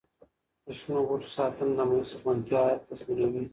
د شنو بوټو ساتنه د محیط زرغونتیا تضمینوي.